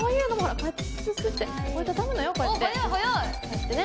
こうやってね。